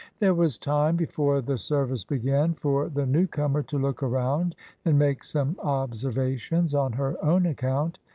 There was time, before the service began, for the new comer to look around and make some observations on her own account.